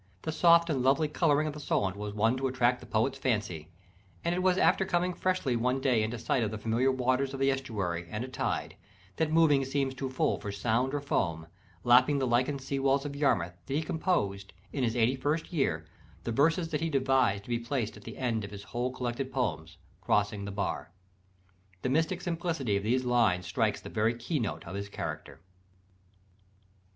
The soft and lovely colouring of the Solent was one to attract the poet's fancy: and it was after coming freshly one day into sight of the familiar waters of the estuary, and a tide, "that moving seems too full for sound or foam," lapping the lichened sea walls of Yarmouth, that he composed, in his eighty first year, the verses that he devised to be placed at the end of his whole collected poems: "Crossing the Bar." The mystic simplicity of these lines strikes the very key note of his character.